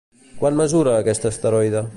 Quant mesura aquest asteroide?